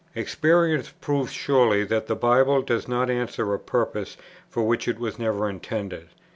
Experience proves surely that the Bible does not answer a purpose for which it was never intended.